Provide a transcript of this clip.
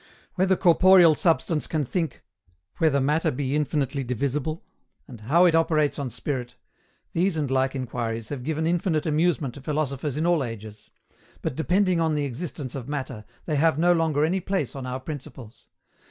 "Whether corporeal substance can think," "whether Matter be infinitely divisible," and "how it operates on spirit" these and like inquiries have given infinite amusement to philosophers in all ages; but depending on the existence of Matter, they have no longer any place on our principles.